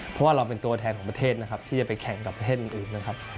เพราะว่าเราเป็นตัวแทนของประเทศนะครับที่จะไปแข่งกับประเทศอื่นนะครับ